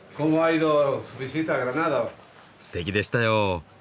すてきでしたよ。